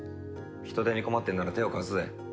人手に困ってるなら手を貸すぜ。